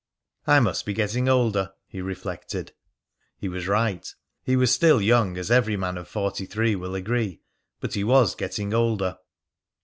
"I must be getting older," he reflected. He was right. He was still young, as every man of forty three will agree, but he was getting older.